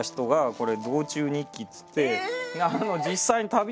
これ。